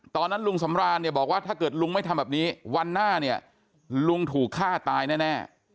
ตอนนั้นลุงสำรานเนี่ยบอกว่าถ้าเกิดลุงไม่ทำแบบนี้วันหน้าเนี่ยลุงถูกฆ่าตายแน่